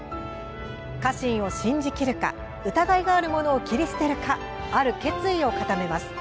家臣を信じきるか疑いがある者を切り捨てるかある決意を固めます。